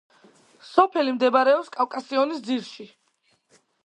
სოფელი მდებარეობს კავკასიონის ძირში.